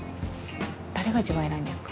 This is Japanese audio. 誰が一番偉いんですか？